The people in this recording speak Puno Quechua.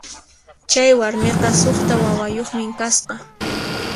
Chay warmiqa suqta wawayuqmi kasqa.